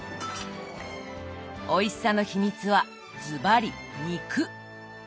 おいしさの秘密はズバリ「肉」。